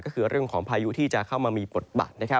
ก็คือเรื่องของพายุที่จะเข้ามามีบทบัตร